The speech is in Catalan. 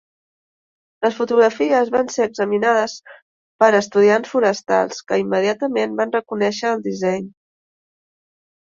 Les fotografies van ser examinades per estudiants forestals, que immediatament van reconèixer el disseny.